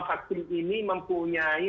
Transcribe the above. vaksin ini mempunyai